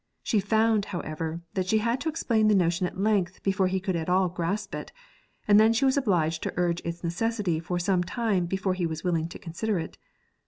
She found, however, that she had to explain the notion at length before he could at all grasp it, and then she was obliged to urge its necessity for some time before he was willing to consider it.